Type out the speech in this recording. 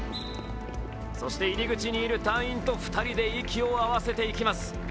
そして入り口にいる隊員と２人で息を合わせていきます。